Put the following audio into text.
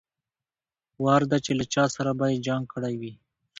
وار دا چې له چا سره به يې جنګ کړى وي.